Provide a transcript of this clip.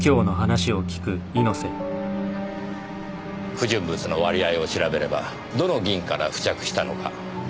不純物の割合を調べればどの銀から付着したのか特定できます。